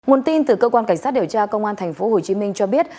nguồn tin từ cơ quan cảnh sát điều tra công an tp hcm cho biết